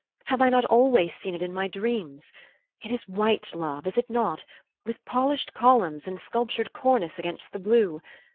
Have I not always seem it in my dreams? It is white, love, is it not, with polished columns, and a sculptured cornice against the blue?